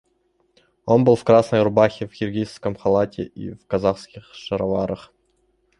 Он был в красной рубахе, в киргизском халате и в казацких шароварах.